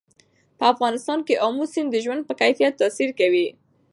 په افغانستان کې آمو سیند د ژوند په کیفیت تاثیر کوي.